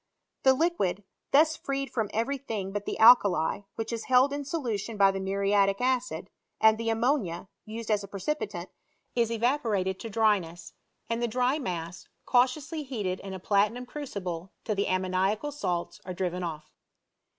The liquid, thus freed £rom every thing but the alkali, which is held in solution by the muriatic acid, and the ammonia, used as a precipitant, is evaporated to dryness, and the dry mass, cautiously heated in a platinum crucible till the ammoniacal salts are driven off.